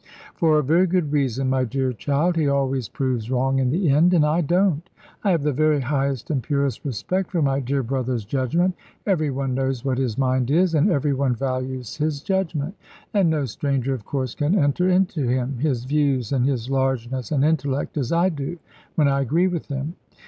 "For a very good reason, my dear child he always proves wrong in the end; and I don't. I have the very highest and purest respect for my dear brother's judgment. Every one knows what his mind is, and every one values his judgment. And no stranger, of course, can enter into him, his views, and his largeness, and intellect; as I do, when I agree with him.